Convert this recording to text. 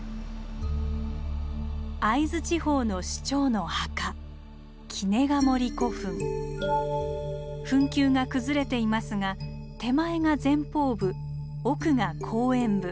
会津地方の首長の墓墳丘が崩れていますが手前が前方部奥が後円部。